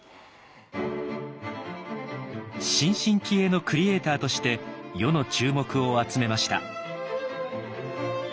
新進気鋭のクリエーターとして世の注目を集めました。